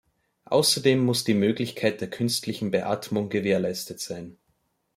Außerdem muss die Möglichkeit der künstlichen Beatmung gewährleistet sein.